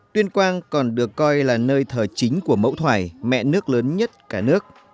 tuyên quang còn được coi là nơi thờ chính của mẫu thoải mẹ nước lớn nhất cả nước